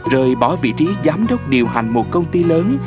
rời bỏ vị trí giám đốc điều hành một công ty lớn